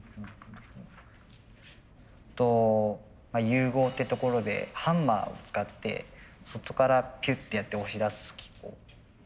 融合ってところでハンマーを使って外からピュッてやって押し出す機構。